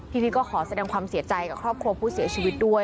ทีนี้ก็ขอแสดงความเสียใจกับครอบครัวผู้เสียชีวิตด้วย